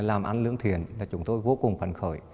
làm ăn lưỡng thiền là chúng tôi vô cùng phân khởi